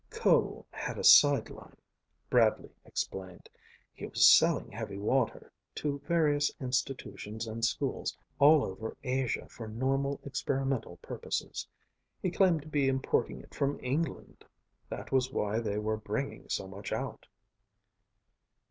"Ko had a side line," Bradley explained. "He was selling heavy water to various institutions and schools all over Asia for normal experimental purposes. He claimed to be importing it from England. That was why they were bringing so much out."